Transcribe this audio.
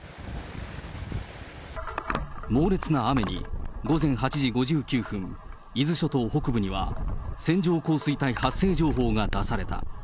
猛烈な雨に、午前８時５９分、伊豆諸島北部には、線状降水帯発生情報が出された。